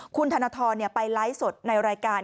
คุณธนทรไปไลฟ์สดในรายการ